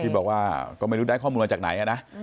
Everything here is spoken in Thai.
ที่บอกว่าก็ไม่รู้ได้ข้อมูลอันจากไหนอะนะ